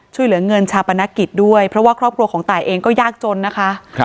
ช่วยเหลือเงินชาปนกิจด้วยเพราะว่าครอบครัวของตายเองก็ยากจนนะคะ